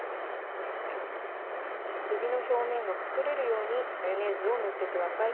えびの表面が隠れるようにマヨネーズを塗って下さい。